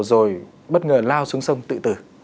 rồi bất ngờ lao xuống sông tự tử